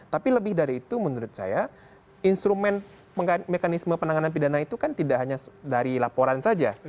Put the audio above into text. tapi lebih dari itu menurut saya instrumen mekanisme penanganan pidana itu kan tidak hanya dari laporan saja